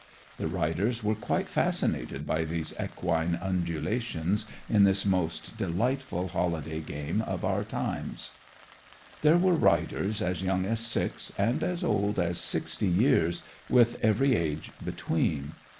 The riders were quite fascinated by these equine undulations in this most delightful holiday game of our times. There were riders as young as six, and as old as sixty years, with every age between.